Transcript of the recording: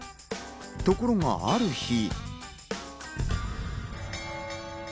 ところがある日。